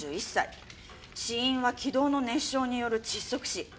死因は気道の熱傷による窒息死。